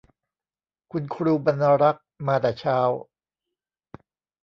คุณครูบรรณารักษ์มาแต่เช้า